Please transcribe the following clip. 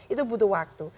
itu butuh waktu